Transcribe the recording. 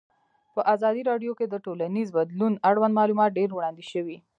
په ازادي راډیو کې د ټولنیز بدلون اړوند معلومات ډېر وړاندې شوي.